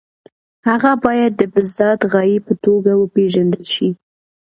هغه باید د بالذات غایې په توګه وپېژندل شي.